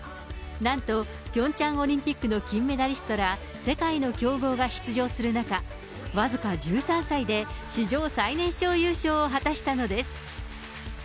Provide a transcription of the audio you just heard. なんと、ピョンチャンオリンピックの金メダリストら世界の強豪が出場する中、僅か１３歳で史上最年少優勝を果たしたのです。